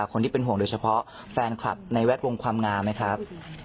คนที่เป็นห่วงโดยเฉพาะแฟนคลับในแวดวงความงามไหมครับ